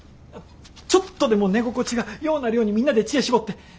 ちょっとでも寝心地がようなるようにみんなで知恵絞って。